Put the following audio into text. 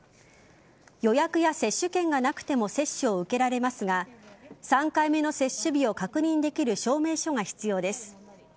予約や接種券がなくても接種を受けられますが３回目の接種日を確認できる証明書が必要です。